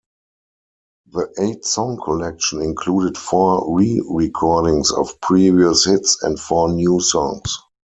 The eight song collection included four re-recordings of previous hits, and four new songs.